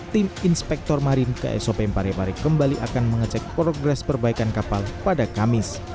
tim inspektor marim ke sop parepare kembali akan mengecek progres perbaikan kapal pada kamis